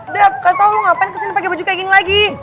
dap kasih tau lu ngapain kesini pake baju kayak gini lagi